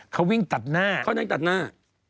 เขาวิ่งตัดหน้า